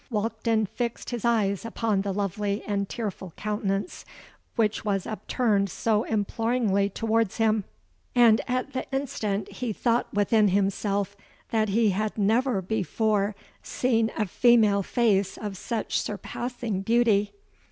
'—Walkden fixed his eyes upon the lovely and tearful countenance which was upturned so imploringly towards him; and at the instant he thought within himself that he had never before seen a female face of such surpassing beauty.